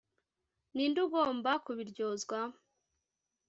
ni nde ugomba kubiryozwa